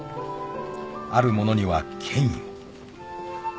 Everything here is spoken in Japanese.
［あるものには権威を］